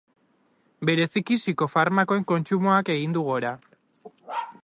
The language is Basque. Bereziki, psikofarmakoen kontsumoak egin du gora.